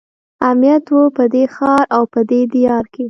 امنیت وو په دې ښار او دې دیار کې.